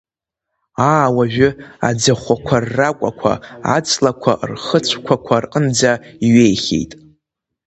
Аа, уажәы аӡахәақәа рракәақәа аҵлақәа рхыцәқәақәа рҟынӡа иҩеихьеит.